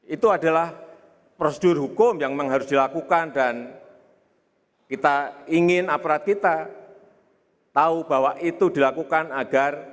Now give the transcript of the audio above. itu adalah prosedur hukum yang harus dilakukan dan kita ingin aparat kita tahu bahwa itu dilakukan agar